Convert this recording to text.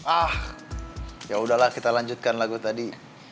ah ya udahlah kita lanjutkan lagu tadi